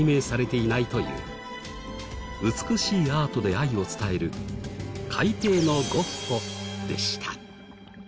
美しいアートで愛を伝える海底のゴッホでした。